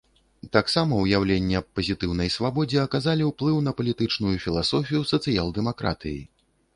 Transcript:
Таксама ўяўленні аб пазітыўнай свабодзе аказалі ўплыў на палітычную філасофію сацыял-дэмакратыі.